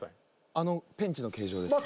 あのペンチの形状ですか？